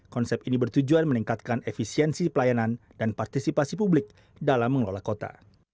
konsep ini bertujuan meningkatkan efisiensi pelayanan dan partisipasi publik dalam mengelola kota